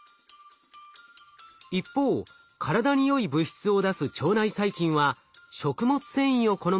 一方体によい物質を出す腸内細菌は食物繊維を好む傾向にあります。